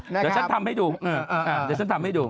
เดี๋ยวฉันทำให้ดู